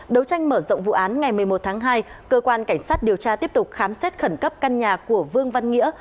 đấu tranh mở rộng vụ án ngày một mươi một tháng hai cơ quan cảnh sát điều tra tiếp tục khám xét khẩn cấp căn nhà của vương văn nghĩa